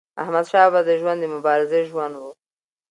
احمدشاه بابا د ژوند د مبارزې ژوند و.